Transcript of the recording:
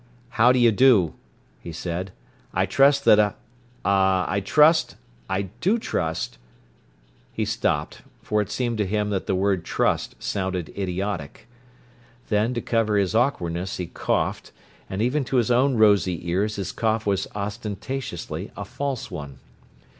"How d'you do," he said. "I trust that ah—I trust—I do trust—" He stopped, for it seemed to him that the word "trust" sounded idiotic. Then, to cover his awkwardness, he coughed, and even to his own rosy ears his cough was ostentatiously a false one.